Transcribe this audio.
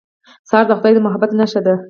سهار د خدای د محبت نښه ده.